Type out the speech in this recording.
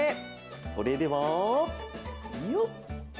それではよっ！